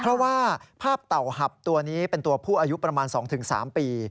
เพราะว่าภาพเต่าหับตัวนี้เป็นตัวผู้อายุประมาณ๒๓ปี